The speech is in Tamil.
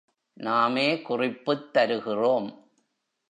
நாமே குறிப்புத் தருகிறோம்.